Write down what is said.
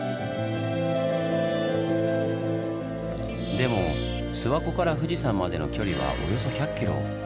でも諏訪湖から富士山までの距離はおよそ１００キロ。